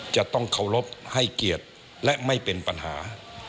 จะต้องเคารพให้เกียรติและไม่เป็นปัญหา